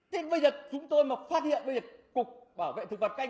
thế bây giờ chúng tôi mà phát hiện bây giờ cục bảo vệ thực vật canh